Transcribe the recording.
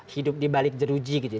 hidup di balik jeruji gitu ya